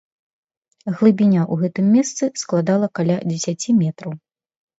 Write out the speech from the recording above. Глыбіня ў гэтым месцы складала каля дзесяці метраў.